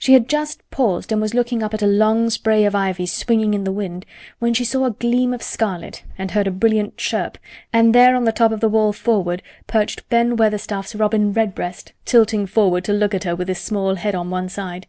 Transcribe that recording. She had just paused and was looking up at a long spray of ivy swinging in the wind when she saw a gleam of scarlet and heard a brilliant chirp, and there, on the top of the wall, perched Ben Weatherstaff's robin redbreast, tilting forward to look at her with his small head on one side.